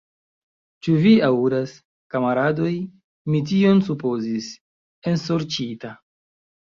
Ĉu vi aŭdas, kamaradoj, mi tion supozis, ensorĉita!